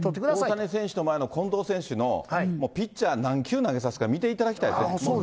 大谷選手の前の近藤選手、もうピッチャー、何球投げさすか、見ていただきたいと思います。